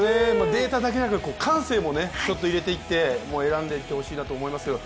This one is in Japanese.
データだけでなく感性も入れていって、選んでいってほしいなと思いますけど